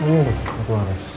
ini tuh keluar